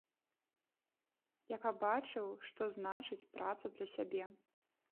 Я пабачыў, што значыць праца для сябе.